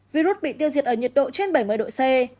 virus bị tiêu diệt ở nhiệt độ trên bảy mươi độ c